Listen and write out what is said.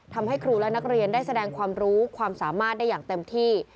ทำให้ครูและนักเรียนได้แสดงความรู้ความสามารถได้อย่างเต็มที่